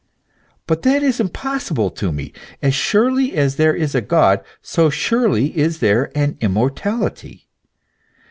But that is impossible to me : as surely as there is a God, so surely is there an immortality.